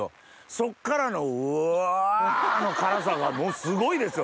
そっからのうわ！の辛さがすごいですよ。